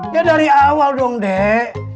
ya dari awal dong dek